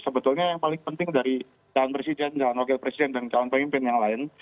sebetulnya yang paling penting dari calon presiden calon wakil presiden dan calon pemimpin yang lain